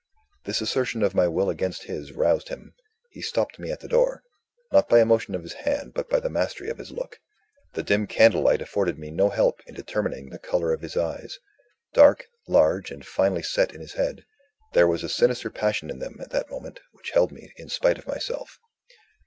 This assertion of my will against his roused him. He stopped me at the door not by a motion of his hand but by the mastery of his look. The dim candlelight afforded me no help in determining the color of his eyes. Dark, large, and finely set in his head, there was a sinister passion in them, at that moment, which held me in spite of myself.